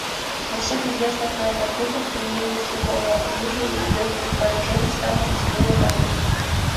Во всех известных нам конфликтах применение стрелкового оружия и легких вооружений стало повседневной нормой.